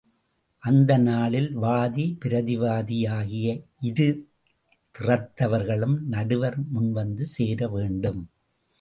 அந்த நாளில் வாதி, பிரதிவாதி ஆகிய இருதிறத்தவர்களும் நடுவர் முன்வந்து சேரவேண்டும்.